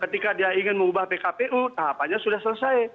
ketika dia ingin mengubah pkpu tahapannya sudah selesai